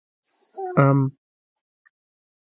🥭 ام